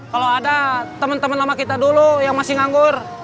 kalau ada teman teman lama kita dulu yang masih nganggur